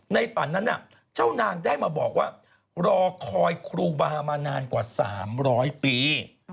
ฝันนั้นเจ้านางได้มาบอกว่ารอคอยครูบามานานกว่า๓๐๐ปี